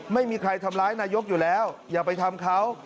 ไม่มีใครทำร้ายนายกอยู่แล้วอย่าไปทำเขา